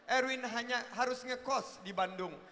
erwin hanya harus ngekos di bandung